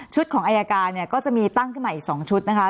ของอายการเนี่ยก็จะมีตั้งขึ้นมาอีก๒ชุดนะคะ